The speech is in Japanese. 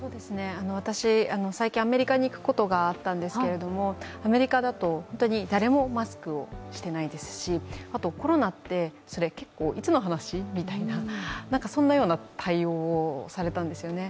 私、最近アメリカに行くことがあったんですけれども、アメリカだと誰もマスクをしていないですし、あとコロナって、いつの話？みたいな、そのような対応をされたんですよね。